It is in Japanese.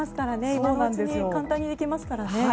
今のうちに簡単にできますからね。